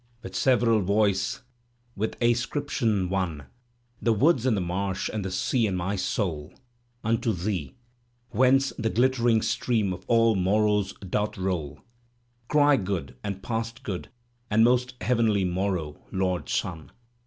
With several voice, with ascription one. The woods and the marsh and the sea and my soul Unto thee, whence the glittering stream of aU morrows doth roll, Cry good and past good and most heavenly morrow, lord Smi!